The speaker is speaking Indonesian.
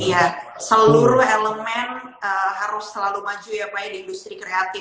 jadi ya seluruh elemen harus selalu maju ya pak ya di industri kreatif